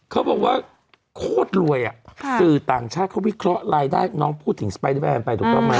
เขาบอกว่าโคตรรวยสื่อต่างชาติเขาวิเคราะห์รายได้น้องพูดถึงสไปเดอร์แนนไปถูกต้องไหม